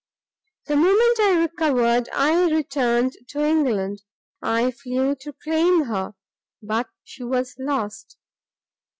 The moment I recovered, I returned to England; I flew to claim her, but she was lost!